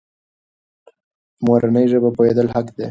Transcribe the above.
په مورنۍ ژبه پوهېدل حق دی.